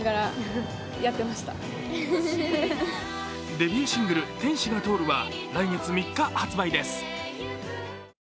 デビューシングル「天使が通る」は来月３日発売です。